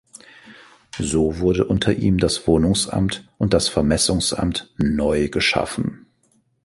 So wurden unter ihm das Wohnungsamt und das Vermessungsamt neu geschaffen.